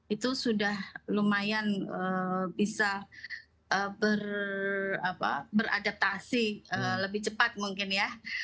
itu sudah lumayan bisa beradaptasi lebih cepat mungkin ya